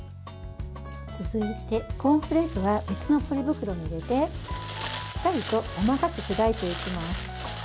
続いて、コーンフレークは別のポリ袋に入れてしっかりと細かく砕いていきます。